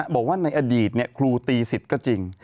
บอกว่าในอดีตครูตีสิทธิ์ก็จริง